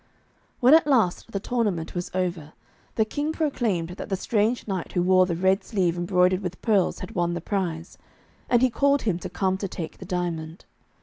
When at last the tournament was over, the King proclaimed that the strange knight who wore the red sleeve embroidered with pearls had won the prize, and he called him to come to take the diamond.